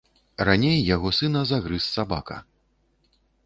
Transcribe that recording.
Раней яго сына загрыз сабака.